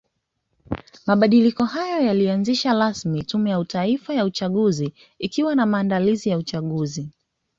Mabadiliko hayo yalianzisha rasmi tume ya Taifa ya uchaguzi ikiwa ni maandalizi ya uchaguzi